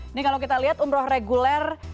ini kalau kita lihat umroh reguler